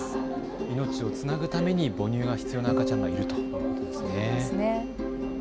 命をつなぐために母乳が必要な赤ちゃんがいるということですね。